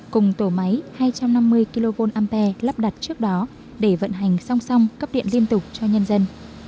cùng tổ máy hai trăm năm mươi kv ampe lắp đặt trước đó để vận hành song song cấp điện liên tục cho nhân dân